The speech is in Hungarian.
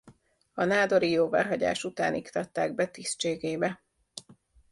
A nádori jóváhagyás után iktatták be tisztségébe.